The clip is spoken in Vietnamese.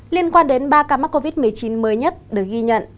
liên quan đến ba ca mắc covid một mươi chín mới nhất được ghi nhận